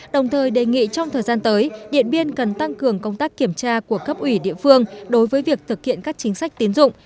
đồng thời đề nghị trong thời gian tới điện biên cần tăng cường công tác kiểm tra của cấp ủy địa phương đối với việc thực hiện các chính sách tiến dụng